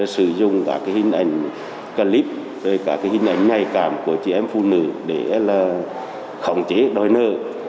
sử dụng cả hình ảnh clip cả hình ảnh nhạy cảm của chị em phụ nữ để khổng chế đòi nợ